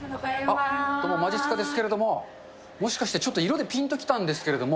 どうも、まじっすかですけれども、もしかして、ちょっと色でぴんときたんですけど。